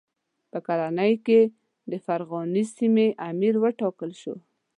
په کلنۍ کې د فرغانې سیمې امیر وټاکل شو.